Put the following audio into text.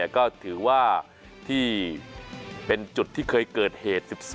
ก็ถือว่าที่เป็นจุดที่เคยเกิดเหตุ๑๒